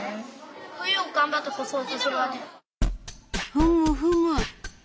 ふむふむ。